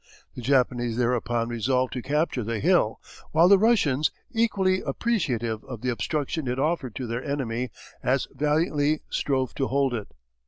The Japanese thereupon resolved to capture the hill, while the Russians, equally appreciative of the obstruction it offered to their enemy, as valiantly strove to hold it.